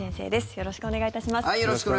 よろしくお願いします。